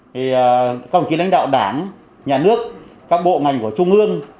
thì các đồng chí lãnh đạo đảng nhà nước các bộ ngành của trung ương